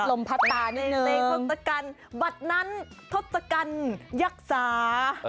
พัดตานิดนึงในทศกัณฐ์บัตรนั้นทศกัณฐ์ยักษา